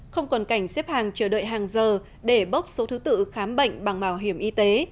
không còn cảnh xếp hàng chờ đợi hàng giờ để bốc số thứ tự khám bệnh bằng bảo hiểm y tế